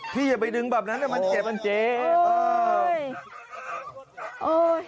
อย่าไปดึงแบบนั้นมันเจ็บมันเจ็บ